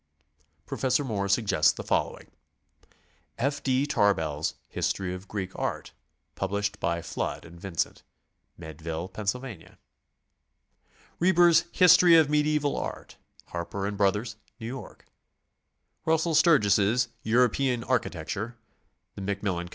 Professor Moore suggests the following: F. D. Tarbell's "History of Greek Art," published by Flood & Vincent, Meadville, Penn.; Reber's "History of Mediaeval Art," Har per & Bros., New York; Russell Sturgis' "European Archi tecture," the Macmillan Co.